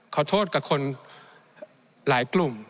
ขอโทษกับคนหลายกลุ่ม